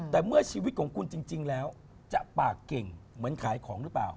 แต่เมื่อชีวิตของคุณจริงแล้วจะปากเก่งเหมือนขายของหรือเปล่า